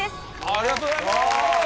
ありがとうございます！